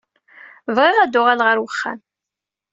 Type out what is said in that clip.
Bɣiɣ ad uɣaleɣ ɣer wexxam.